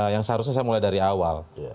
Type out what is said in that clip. yang seharusnya saya mulai dari awal